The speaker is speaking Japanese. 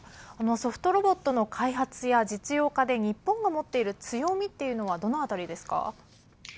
ソフトロボットの開発や実用化で日本が持っている強みはどのあたりですか。